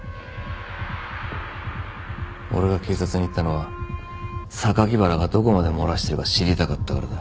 俺が警察に行ったのは榊原がどこまで漏らしてるか知りたかったからだ。